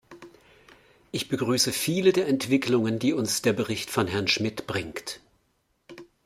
Ich begrüße viele der Entwicklungen, die uns der Bericht von Herrn Schmidt bringt.